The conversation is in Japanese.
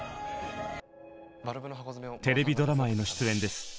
テレビドラマへの出演です。